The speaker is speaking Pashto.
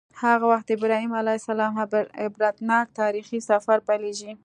هغه وخت د ابراهیم علیه السلام عبرتناک تاریخي سفر پیلیږي.